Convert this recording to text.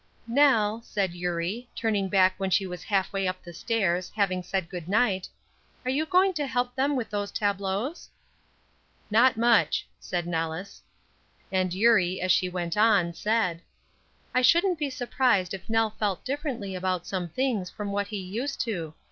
"Nell," said Eurie, turning back when she was half way up the stairs, having said good night, "are you going to help them with those tableaux?" "Not much," said Nellis. And Eurie, as she went on, said: "I shouldn't be surprised if Nell felt differently about some things from what he used to.